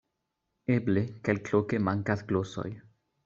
Eble, kelkloke mankas glosoj.